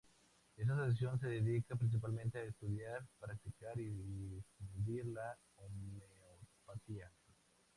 Esta asociación se dedica principalmente a estudiar, practicar y difundir la homeopatía.